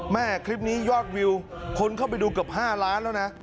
คลิปนี้ยอดวิวคนเข้าไปดูเกือบ๕ล้านแล้วนะ